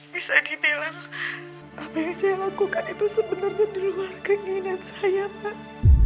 bisa dibilang apa yang saya lakukan itu sebenarnya di luar keinginan saya pak